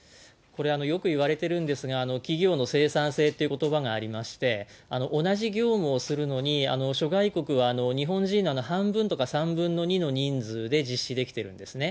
これ、よくいわれてるんですが、企業の生産性ということばがありまして、同じ業務をするのに、諸外国は日本人の半分とか３分の２の人数で実施できてるんですね。